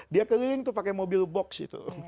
dia keliling tuh pakai mobil box itu